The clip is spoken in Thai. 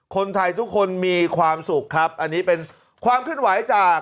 คนไทยทุกคนมีความสุขครับอันนี้เป็นความเคลื่อนไหวจาก